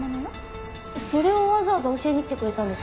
それをわざわざ教えに来てくれたんですか？